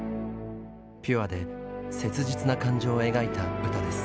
ピュアで切実な感情を描いた歌です。